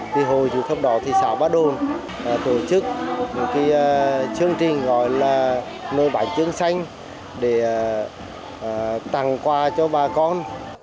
thì hồi chú thấp đó thị xã ba đồn tổ chức một chương trình gọi là nồi bánh trưng xanh để tặng quà cho bà con